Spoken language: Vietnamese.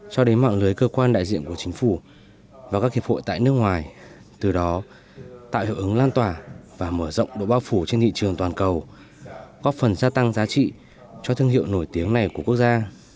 cho đến mạng lưới cơ quan đại diện của chính phủ và các hiệp hội tại nước ngoài từ đó tạo hiệu ứng lan tỏa và mở rộng độ bao phủ trên thị trường toàn cầu góp phần gia tăng giá trị cho thương hiệu nổi tiếng này của quốc gia